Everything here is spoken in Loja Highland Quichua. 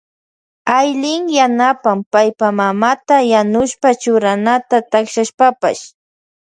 Aylin yanapan paypa mamata yanushpa churanata takshashpapash.